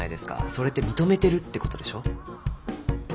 それって認めてるって事でしょ。